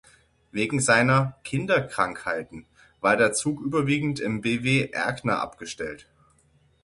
Wegen seiner "Kinderkrankheiten" war der Zug überwiegend im Bw Erkner abgestellt.